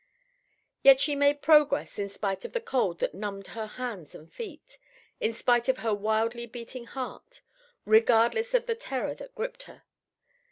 Yet she made progress in spite of the cold that numbed her hands and feet; in spite of her wildly beating heart; regardless of the terror that gripped her.